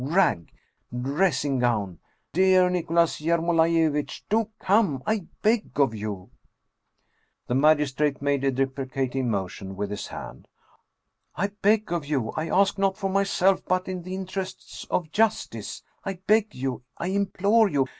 Rag ! Dressing gown ! Dear Nicholas Yermolaiyevitch, do come, I beg of you !" The magistrate made a deprecating motion with his hand. " I beg of you ! I ask, not for myself, but in the inter ests of justice. I beg you! I implore you!